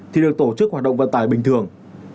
thì được tổ chức hoạt động vận tải bình thường